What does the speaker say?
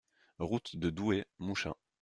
Route de Douai, Mouchin